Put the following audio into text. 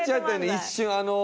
一瞬。